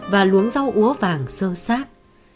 và luống rau úa vàng sơ sát